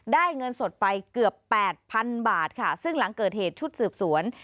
ได้เงินสดไปเกือบ๘๐๐๐บาทซึ่งหลังเกิดเหตุชุดสืบสวน